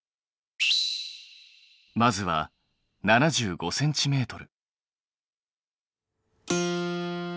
まずは７５ｃｍ。